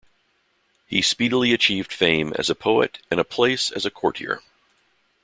He speedily achieved fame as a poet and a place as a courtier.